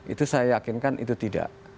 itu saya yakinkan itu tidak